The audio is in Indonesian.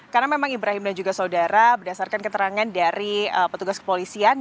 karena memang ibrahim dan juga saudara berdasarkan keterangan dari petugas kepolisian